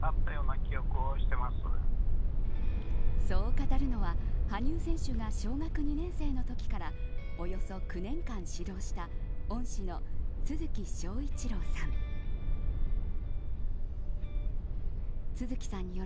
そう語るのは、羽生選手が小学２年生のときからおよそ９年間指導した恩師の都築章一郎さん。